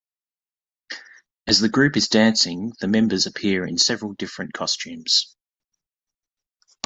As the group is dancing, the members appear in several different costumes.